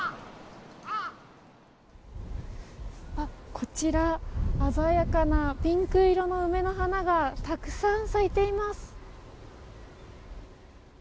こちら鮮やかなピンク色の梅の花がたくさん咲いています。